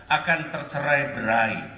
akan tercerai berai